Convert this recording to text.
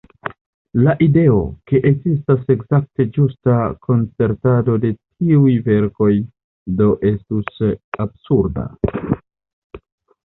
La ideo, ke ekzistas ekzakte ĝusta koncertado de tiuj verkoj, do estus absurda.